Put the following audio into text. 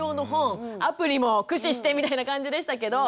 アプリも駆使してみたいな感じでしたけど。